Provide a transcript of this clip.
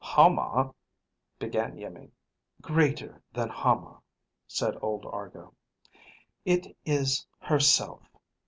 "Hama...?" began Iimmi. "Greater than Hama," said old Argo. "It is herself.